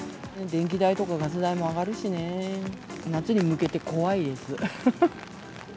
電気代とかガス代も上がるしね、夏に向けて怖いです。